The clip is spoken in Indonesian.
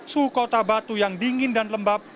suhu kota batu yang dingin dan lembab